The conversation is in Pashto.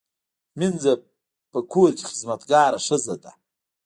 مینځه په کور کې خدمتګاره ښځه ده